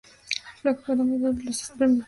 Black fue nominado a dos Premios Globo de Oro.